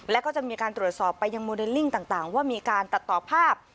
แล้วก็จะมีการตรวจสอบไปยังโมเดลลิ่งต่างว่ามีการตัดต่อภาพ